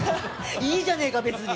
いいじゃねーか、別に。